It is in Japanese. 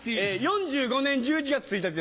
４５年１１月１日です。